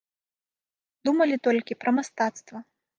Думалі толькі пра мастацтва.